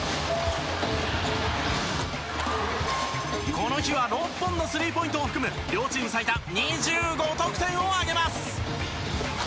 この日は６本のスリーポイントを含む両チーム最多２５得点を挙げます！